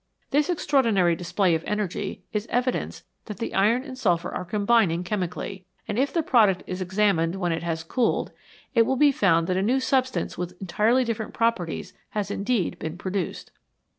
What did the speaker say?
This extraordinary display of energy is evidence that the iron and sulphur are combining chemically, and if the product is examined when it has cooled, it will be found that a new substance with entirely different properties has indeed been pro duced.